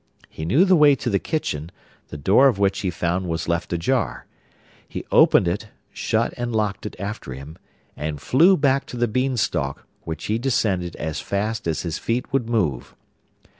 He knew the way to the kitchen, the door of which he found was left ajar; he opened it, shut and locked it after him, and flew back to the Beanstalk, which he descended as fast as his feet would move.